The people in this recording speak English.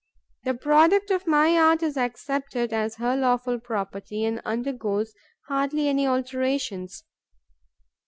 The product of my art is accepted as her lawful property and undergoes hardly any alterations.